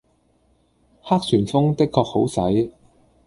黑旋風的確好使